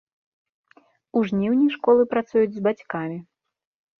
У жніўні школы працуюць з бацькамі.